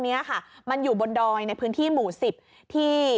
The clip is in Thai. นี้ค่ะมันอยู่บนดอยในพื้นที่หมู่สิบที่